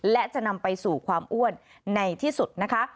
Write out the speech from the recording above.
และจะนำไปสู่ความอ้วนในที่สุดนะคะ